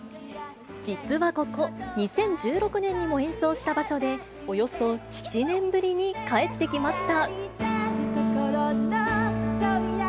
実はここ、２０１６年にも演奏した場所で、およそ７年ぶりに帰ってきました。